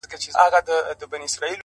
اوښکي دې توی کړلې ډېوې. راته راوبهيدې.